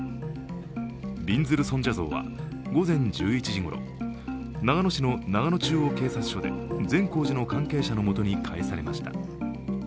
びんずる尊者像は午前１１時ごろ長野市の長野中央警察署で善光寺の関係者のもとに返されました。